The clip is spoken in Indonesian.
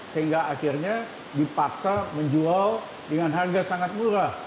sehingga akhirnya dipaksa menjual dengan harga sangat murah